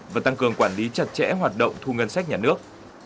và tăng cường quản lý chặt chẽ hoạt động thu ngân sách nhà nước